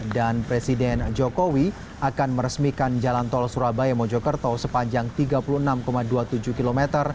dan presiden jokowi akan meresmikan jalan tol surabaya mojokerto sepanjang tiga puluh enam dua puluh tujuh km